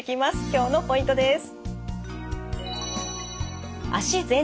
今日のポイントです。